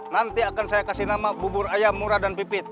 nanti akan saya kasih nama bubur ayam murah dan pipit